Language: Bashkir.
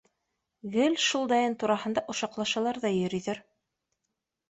Гел шул Даян тураһында ошаҡлашалар ҙа йөрөйҙәр.